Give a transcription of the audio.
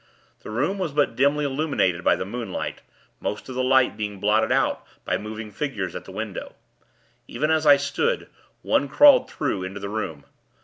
The room was but dimly illuminated by the moonlight; most of the light being blotted out by moving figures at the window. Even as I stood, one crawled through, into the room.